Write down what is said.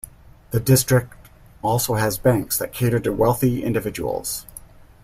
The district also has banks that cater to wealthy individuals.